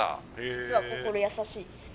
実は心優しい。